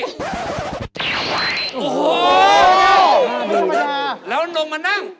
โอ้โฮไม่ทำมานานแล้วลงมานั่ง